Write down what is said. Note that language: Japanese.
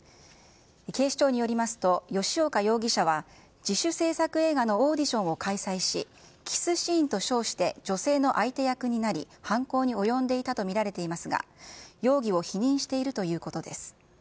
警視庁によりますと、吉岡容疑者は、自主製作映画のオーディションを開催し、キスシーンと称して女性の相手役になり、犯行に及んでいたと見られていますが、容疑を否認しているということです。